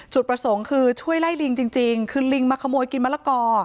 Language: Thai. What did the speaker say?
จุดประสงค์คือช่วยไล่ลิงจริงคือลิงมาขโมยกินมะละกอ